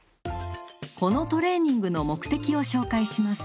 このトレーニングの目的を紹介します。